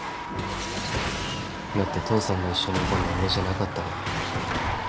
だって父さんが一緒にいたのは俺じゃなかったから。